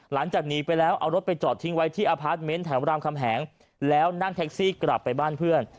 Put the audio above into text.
หลังจากหนีไปแล้วเอารถไปจอดทิ้งไว้ที่อพาร์ทเมนต์แถวรามคำแหงแล้วนั่งแท็กซี่กลับไปบ้านเพื่อน